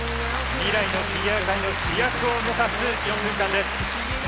未来のフィギュア界の主役を目指す４分間です。